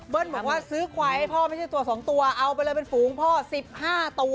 เบิ้ลบอกว่าซื้อขวายให้พ่อไม่ใช่ตัวสองตัวเอาไปเลยเป็นฝูงพ่อสิบห้าตัว